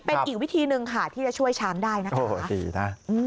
เป็นอีกวิธีหนึ่งค่ะที่จะช่วยช้างได้นะคะ